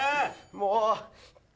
もう。